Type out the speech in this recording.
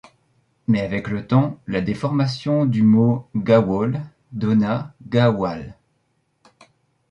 Mais avec le temps, la déformation du mot Gawol donna Gaoual.